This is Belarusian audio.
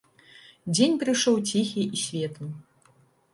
Дзень прыйшоў ціхі і светлы.